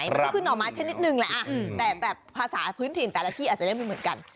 มันก็คือหน่อไม้ชนิดนึงแหละแต่ภาษาพื้นถิ่นแต่ละที่อาจจะได้ไม่เหมือนกัน